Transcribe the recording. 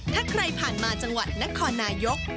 ถ้าใครผ่านมาจังหวัดนครนายก